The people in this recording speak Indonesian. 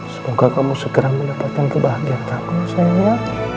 semoga kamu segera mendapatkan kebahagiaan kamu sayangnya